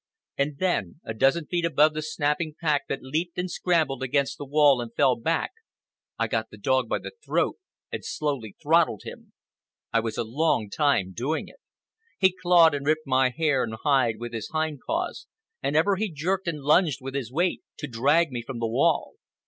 And then, a dozen feet above the snapping pack that leaped and scrambled against the wall and fell back, I got the dog by the throat and slowly throttled him. I was a long time doing it. He clawed and ripped my hair and hide with his hind paws, and ever he jerked and lunged with his weight to drag me from the wall.